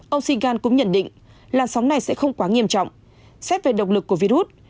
ông saigon cũng nhận định lạt sóng này sẽ không quá nghiêm trọng xét về độc lực của virus